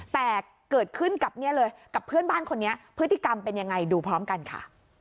แต่เกิดขึ้นกับเนี่ยเลยกับเพื่อนบ้านคนนี้พฤติกรรมเป็นยังไงดูพร้อมกันค่ะ